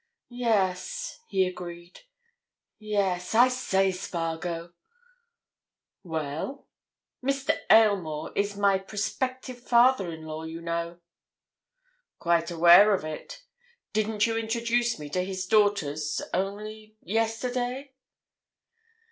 "Yes," he agreed. "Yes, I say, Spargo!" "Well?" "Mr. Aylmore is my prospective father in law, you know." "Quite aware of it. Didn't you introduce me to his daughters—only yesterday?"